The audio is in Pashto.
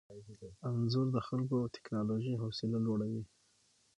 انځور د خلکو او ټیکنالوژۍ حوصله لوړوي.